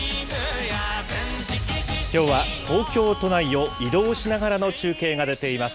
きょうは東京都内を移動しながらの中継が出ています。